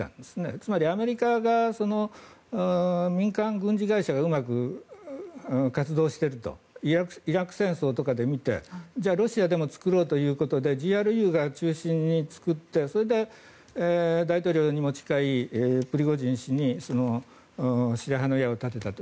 つまりアメリカが民間軍事会社がうまく活動しているとイラク戦争とかで見てじゃあロシアでも作ろうということでＧＲＵが中心に作ってそれで大統領に持ち帰りプリゴジン氏に白羽の矢を立てたと。